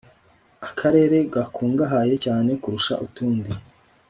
akarere gakungahaye cyane kurusha utundi